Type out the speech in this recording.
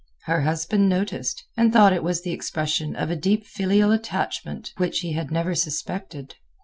Her husband noticed, and thought it was the expression of a deep filial attachment which he had never suspected.